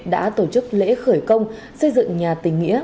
đã tổ chức lễ khởi công xây dựng nhà tình nghĩa